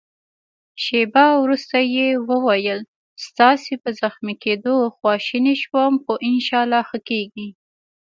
شېبه وروسته يې وویل: ستاسي په زخمي کېدو خواشینی شوم، خو انشاالله ښه کېږې.